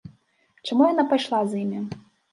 Чаму яна пайшла з імі?